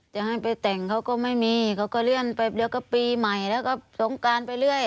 จะให้ไปแต่งเขาก็ไม่มีเขาก็เลื่อนไปเดี๋ยวก็ปีใหม่แล้วก็สงการไปเรื่อย